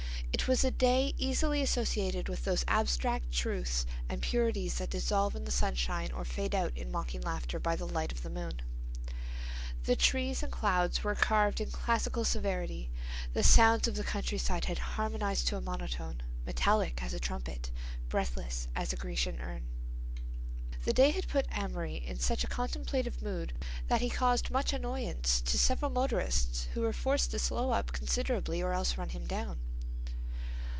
It was a day easily associated with those abstract truths and purities that dissolve in the sunshine or fade out in mocking laughter by the light of the moon. The trees and clouds were carved in classical severity; the sounds of the countryside had harmonized to a monotone, metallic as a trumpet, breathless as the Grecian urn. The day had put Amory in such a contemplative mood that he caused much annoyance to several motorists who were forced to slow up considerably or else run him down.